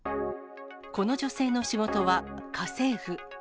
この女性の仕事は家政婦。